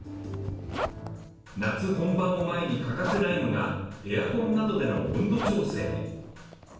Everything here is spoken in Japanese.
夏本番を前に欠かせないのがエアコンなどでの温度調整。